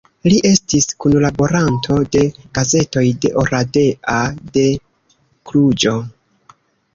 Li estis kunlaboranto de gazetoj de Oradea, de Kluĵo.